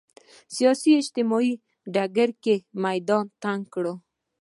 سیاسي اجتماعي ډګر کې میدان تنګ کړ